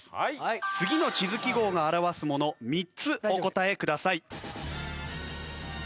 次の地図記号が表すもの３つお答えください。